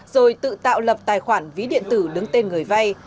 rồi tự tạo lập tài khoản ví điện tử đứng tên người vay